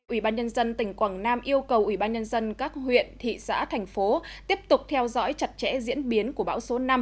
ubnd tỉnh quảng nam yêu cầu ubnd các huyện thị xã thành phố tiếp tục theo dõi chặt chẽ diễn biến của bão số năm